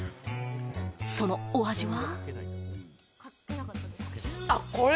そのお味は。